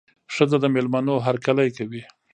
ښځه د مېلمنو هرکلی کوي.